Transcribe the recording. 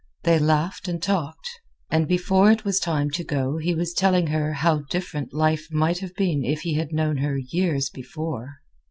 They laughed and talked; and before it was time to go he was telling her how different life might have been if he had known her years before.